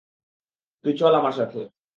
তুই চল আমার সাথে।